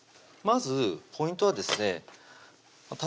まずポイントはですね